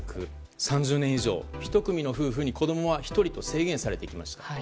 ３０年以上１組の夫婦に子供は１人と制限されてきました。